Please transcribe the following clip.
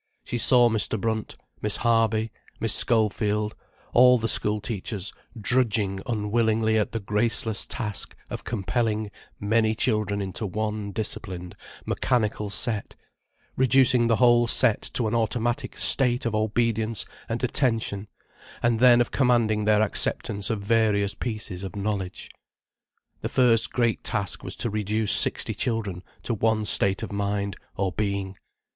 She saw Mr. Brunt, Miss Harby, Miss Schofield, all the school teachers, drudging unwillingly at the graceless task of compelling many children into one disciplined, mechanical set, reducing the whole set to an automatic state of obedience and attention, and then of commanding their acceptance of various pieces of knowledge. The first great task was to reduce sixty children to one state of mind, or being.